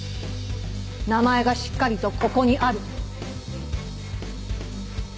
名前がしっかりとここにある。